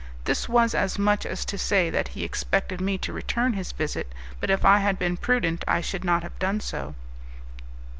This was as much as to say that he expected me to return his visit, but if I had been prudent I should not have done so.